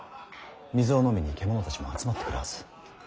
水を飲みに獣たちも集まってくるはず。